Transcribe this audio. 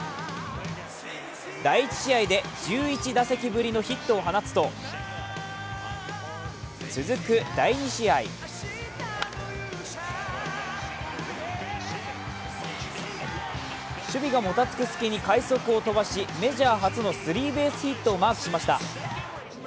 第１試合で１１打席ぶりのヒットを放つと続く、第２試合守備がもたつくすきに快足を飛ばしメジャー初のスリーベースヒットをマークしました。